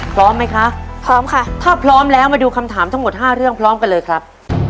พร้อมไหมคะพร้อมค่ะถ้าพร้อมแล้วมาดูคำถามทั้งหมดห้าเรื่องพร้อมกันเลยครับ